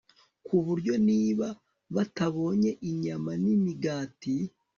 ku buryo niba batabonye inyama nimigati